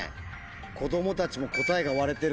子供たちも答えが割れてるんですよ。